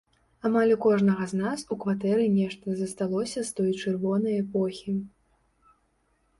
Амаль у кожнага з нас у кватэры нешта засталося з той чырвонай эпохі.